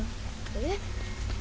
えっ？